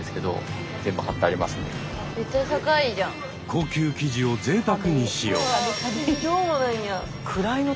高級生地をぜいたくに使用。